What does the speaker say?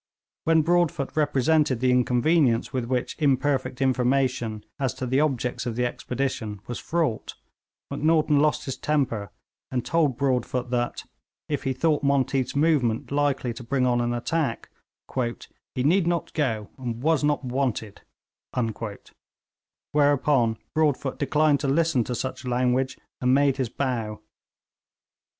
When Broadfoot represented the inconvenience with which imperfect information as to the objects of the expedition was fraught, Macnaghten lost his temper, and told Broadfoot that, if he thought Monteath's movement likely to bring on an attack, 'he need not go, he was not wanted'; whereupon Broadfoot declined to listen to such language, and made his bow.